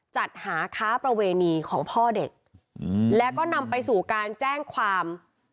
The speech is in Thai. จัดหาค้าประเวณีของพ่อเด็กแล้วก็นำไปสู่การแจ้งความ